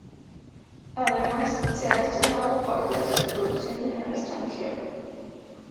Además, se ha estrenado parte de su producción en el extranjero.